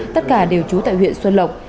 tất cả đều trú tại huyện xuân lộc